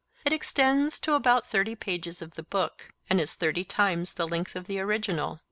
It extends to about thirty pages of the book, and is thirty times the length of the original.